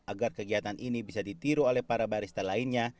agar kegiatan ini bisa ditiru oleh para barista lainnya